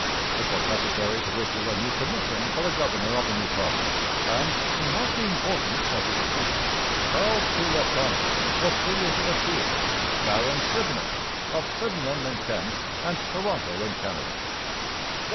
It was necessary to issue a new commission for the governor of the new province, and, to mark the importance of his achievement, Charles Poulett Thomson was created a peer, Baron Sydenham of Sydenham in Kent and Toronto in Canada.